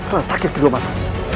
rasa sakit kedua mata